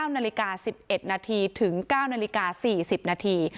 ๙นาฬิกา๑๑นาทีถึง๙นาฬิกา๔๐นาที